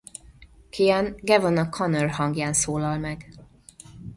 Kian Gavon O’Connor hangján szólal meg.